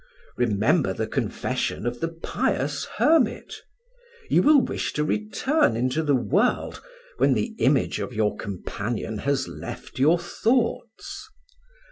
Remember the confession of the pious hermit. You will wish to return into the world when the image of your companion has left your thoughts."